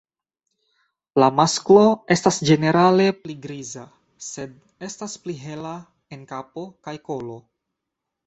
La masklo estas ĝenerale pli griza, sed estas pli hela en kapo kaj kolo.